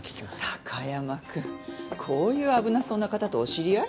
貴山君こういう危なそうな方とお知り合い？